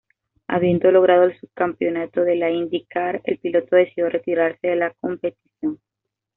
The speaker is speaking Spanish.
Habiendo logrado el subcampeonato de la IndyCar, el piloto decidió retirarse de la competición.